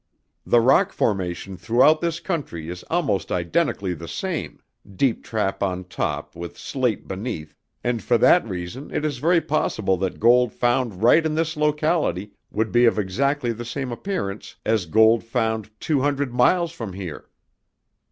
The rock formation throughout this country is almost identically the same, deep trap on top, with slate beneath, and for that reason it is very possible that gold found right in this locality would be of exactly the same appearance as gold found two hundred miles from here.